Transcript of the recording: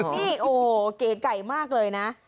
นี่โอ้โหเก๋ไก่มากเลยนะ